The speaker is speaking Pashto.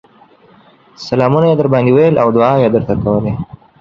سلامونه يې درباندې ويل او دعاوې يې درته کولې